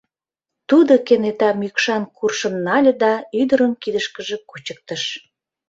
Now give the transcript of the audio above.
Тудо кенета мӱкшан куршым нале да ӱдырын кидышкыже кучыктыш: